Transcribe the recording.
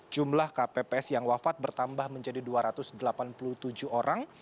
jumlah kpps yang wafat bertambah menjadi dua ratus delapan puluh tujuh orang